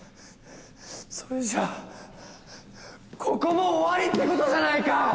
それじゃあここも終わりってことじゃないか！